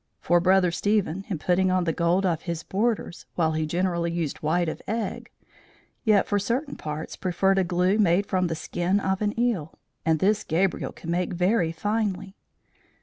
For Brother Stephen in putting on the gold of his borders, while he generally used white of egg, yet for certain parts preferred a glue made from the skin of an eel; and this Gabriel could make very finely.